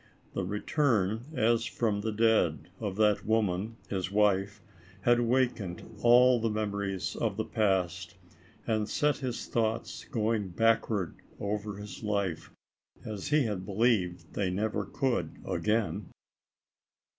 The return, as from the dead, of that woman, his wife, had awakened all the memories of the past, and set his thoughts going backward over his life, as he had believed they never could again.